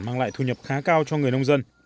mang lại thu nhập khá cao cho người nông dân